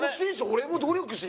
俺も努力して。